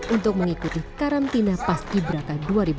untuk mengikuti karantina pas ibraka dua ribu tujuh belas